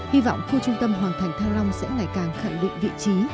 hy vọng khu trung tâm hoàng thành thăng long sẽ ngày càng khẳng định vị trí